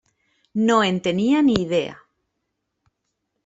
No en tenia ni idea.